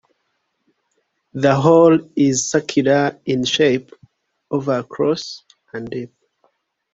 The hole is circular in shape, over across and deep.